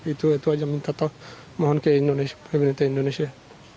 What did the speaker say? itu aja yang minta tolong ke pemerintah indonesia